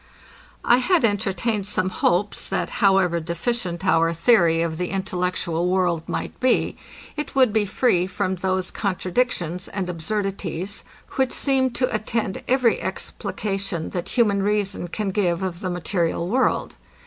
I had entertained some hopes, that however deficient our theory of the intellectual world might be, it would be free from those contradictions, and absurdities, which seem to attend every explication, that human reason can give of the material world.